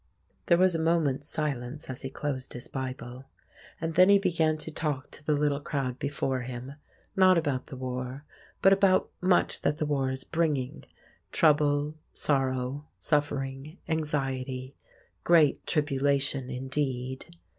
There was a moment's silence as he closed his Bible. And then he began to talk to the little crowd before him—not about the war, but about much that the war is bringing, trouble, sorrow, suffering, anxiety—great tribulation indeed.